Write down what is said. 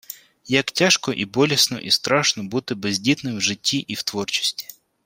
Як тяжко, і болісно, і страшно бути бездітним в житті і в творчості.